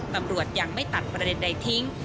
ตำรวจยังไม่ตัดประเด็นใดทิ้ง